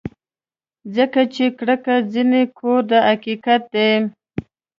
ځکه چې کرکه ځینې کوو دا حقیقت دی.